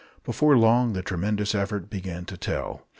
Before long the tremendous effort began to tell.